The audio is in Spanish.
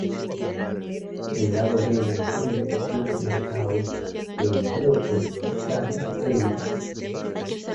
El lado B del single "Just Because", producido por Sam Phillips.